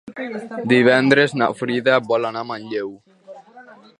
Divendres na Frida vol anar a Manlleu.